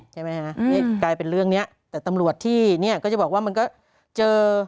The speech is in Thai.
ใช่ไหมฮะนี่กลายเป็นเรื่องเนี้ยแต่ตำรวจที่เนี่ยก็จะบอกว่ามันก็เจอ